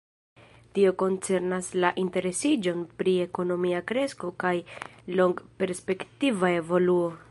Tio koncernas la interesiĝon pri ekonomia kresko kaj longperspektiva evoluo.